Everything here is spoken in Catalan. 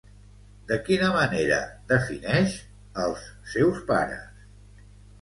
De quina manera defineix als seus pares?